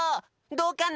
どうかな？